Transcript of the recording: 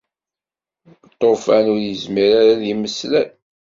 Lṭufan ur yezmer ara ad yemmeslay.